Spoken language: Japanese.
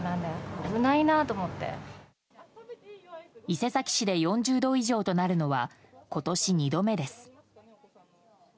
伊勢崎市で４０度以上となるのは今年２度目です。